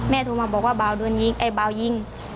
แม่โทรมาบอกว่าบาวยิง